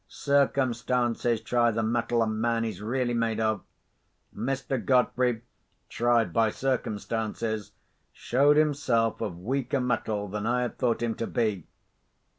Circumstances try the metal a man is really made of. Mr. Godfrey, tried by circumstances, showed himself of weaker metal than I had thought him to be.